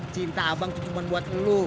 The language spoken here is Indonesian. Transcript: cinta abang cuman buat lo